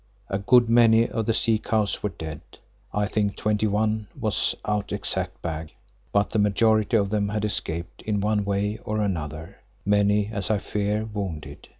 A good many of the sea cows were dead, I think twenty one was our exact bag, but the majority of them had escaped in one way or another, many as I fear, wounded.